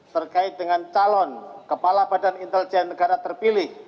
terkait dengan calon kepala badan intelijen negara terpilih